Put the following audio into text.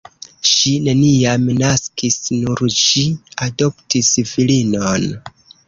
Ŝi neniam naskis, nur ŝi adoptis filinon.